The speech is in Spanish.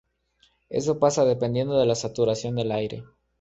Esto pasa dependiendo de la saturación del aire.